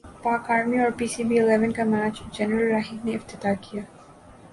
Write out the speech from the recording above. پاک ارمی اور P C B eleven کا میچ جنرل راحیل نے افتتاح کیا